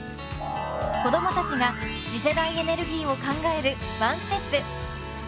子供達が次世代エネルギーを考えるワンステップ